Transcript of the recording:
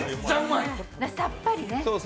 さっぱりね。